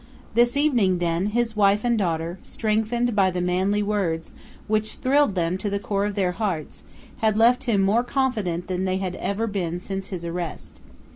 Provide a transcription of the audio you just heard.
This evening, then, his wife and daughter, strengthened by the manly words, which thrilled them to the core of their hearts, had left him more confident than they had ever been since his arrest.